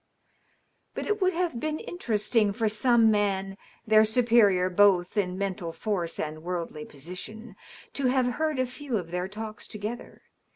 But it would have been interesting for some man, their superior both in mental force and woridly position, to have heard a few of their talks together.